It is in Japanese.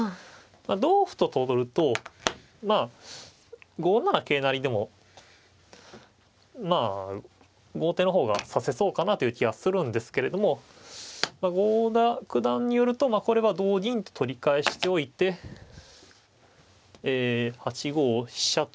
同歩と取るとまあ５七桂成でもまあ後手の方が指せそうかなという気はするんですけれどもまあ郷田九段によるとこれは同銀と取り返しておいてえ８五飛車と。